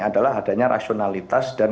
adalah adanya rasionalitas dan